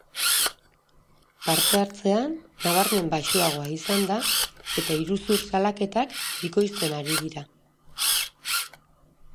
Parte hartzea nabarmen baxuagoa izan da eta iruzur salaketak bikoizten ari dira.